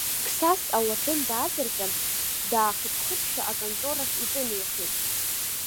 Қсас ауардын даацырҟьан, даахыԥхыԥшәа аконторахь иҿынеихеит.